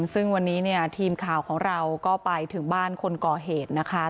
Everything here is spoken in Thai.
ซึ่งวันนี้เนี่ยทีมข่าวของเราก็ไปถึงบ้านคนก่อเหตุนะคะ